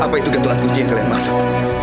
apa itu gantuan kunci yang kalian masuk